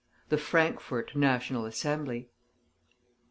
THE FRANKFORT NATIONAL ASSEMBLY.